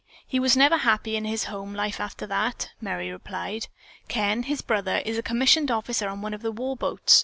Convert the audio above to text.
He never was happy in his home life after that," Merry replied. "Ken, his brother, is a commissioned officer on one of the war boats.